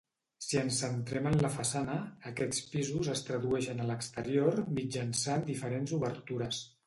Si ens centrem en la façana, aquests pisos es tradueixen a l'exterior mitjançant diferents obertures.